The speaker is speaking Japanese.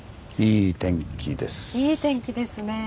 いい天気ですねえ。